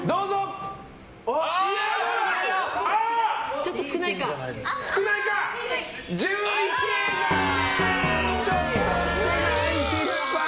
ちょっと少ない、失敗！